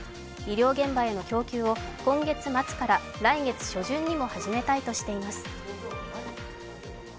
医療現場への供給を今月末から来月初旬にも始めたいとしています。